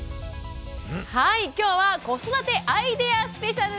はい今日は「子育てアイデアスペシャル！」